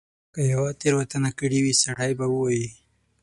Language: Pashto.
که یوه تیره وتنه کړې وي سړی به ووایي.